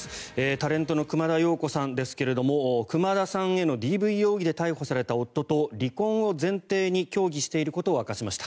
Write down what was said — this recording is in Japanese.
タレントの熊田曜子さんですが熊田さんへのＤＶ容疑で逮捕された夫と離婚を前提に協議していることを明かしました。